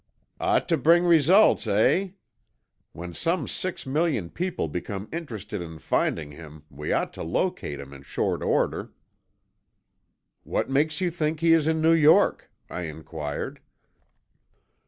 "Ought to bring results, eh? When some six million people become interested in finding him we ought to locate him in short order." "What makes you think he is in New York?" I inquired.